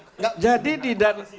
yang sedikit saja bang zulfan